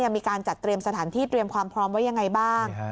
มีการจัดเตรียมสถานที่เตรียมความพร้อมไว้ยังไงบ้าง